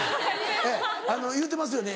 言うてますよね